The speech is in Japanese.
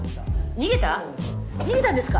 逃げたんですか？